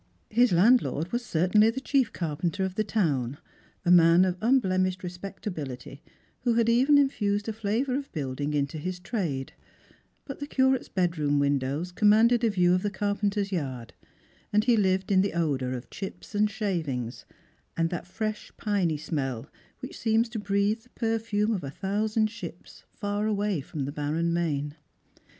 His landlord was certainly the chief carpenter of the town, a man of unblemished respectability, who had even infused a flavour of building into his trade ; but the Curate's bedroom windows commanded a view of the carpenter's yard, and he lived in the odour of chips and shavings, and that fresh piney smell which seems to breathe the ]ierfume of a thousand shii:)s far away from the barren main.